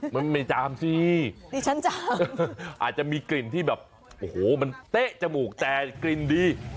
มันไม่จามสิดิฉันจะอาจจะมีกลิ่นที่แบบโอ้โหมันเต๊ะจมูกแต่กลิ่นดี